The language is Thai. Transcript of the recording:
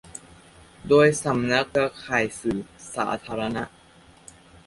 โดย สำนักเครือข่ายสื่อสาธารณะ